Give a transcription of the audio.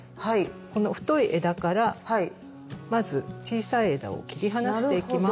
この太い枝からまず小さい枝を切り離していきます。